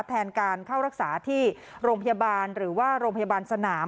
แทนการเข้ารักษาที่โรงพยาบาลหรือว่าโรงพยาบาลสนาม